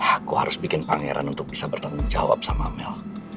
aku harus bikin pangeran untuk bisa bertanggung jawab sama mel